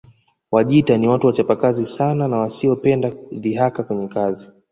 Wajita ni watu wachapakazi sana na wasiopenda dhihaka kwenye kazi